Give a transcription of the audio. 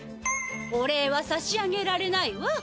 お礼はさし上げられないわ。